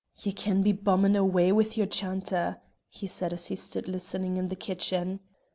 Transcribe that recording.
"Ye can be bummin' awa' wi' your chanter," he said as he stood listening in the kitchen.